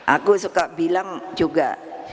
aku suka bilang juga